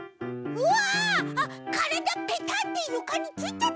うわ！